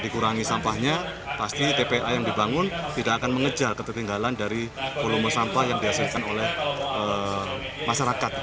dikurangi sampahnya pasti tpa yang dibangun tidak akan mengejar ketertinggalan dari volume sampah yang dihasilkan oleh masyarakat